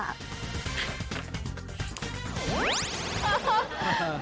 ปื้มจนที่๒๐๒๒